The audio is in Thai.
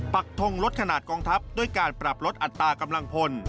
ปักทงลดขนาดกองทัพด้วยการปรับลดอัตรากำลังพล